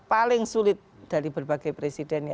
paling sulit dari berbagai presiden